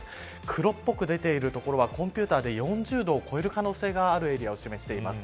黒っぽく出ている所はコンピューターで４０度を超える可能性があるエリアを示しています。